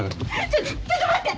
ちょっと待って！